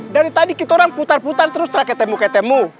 dari tadi kita putar putar terus rake ketemu ketemu